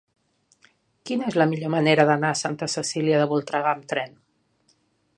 Quina és la millor manera d'anar a Santa Cecília de Voltregà amb tren?